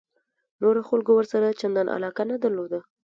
نورو خلکو ورسره چندان علاقه نه درلوده.